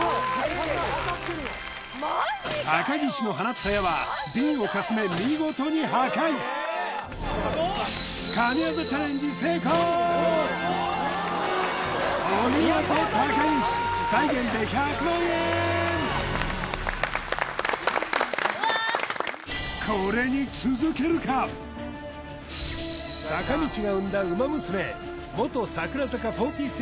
高岸の放った矢はビンをかすめお見事高岸再現で１００万円これに続けるか坂道が生んだウマ娘元櫻坂４６